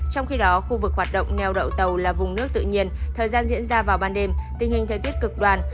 trong khi đó khu vực hoạt động neo đậu tàu là vùng nước tự nhiên thời gian diễn ra vào ban đêm tình hình thời tiết cực đoan